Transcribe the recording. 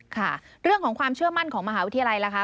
ค่ะเรื่องของความเชื่อมั่นของมหาวิทยาลัยล่ะคะ